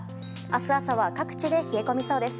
明日朝は各地で冷え込みそうです。